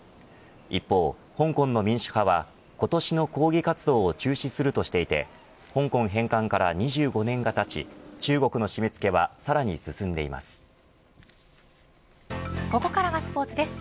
一方、香港の民主派は今年の抗議活動を中止するとしていて香港返還から２５年がたち中国の締め付けはさらに進んでいます。